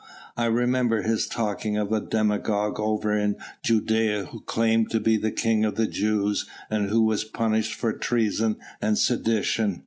I remember his talking of a demagogue over in Judæa who claimed to be the King of the Jews and who was punished for treason and sedition.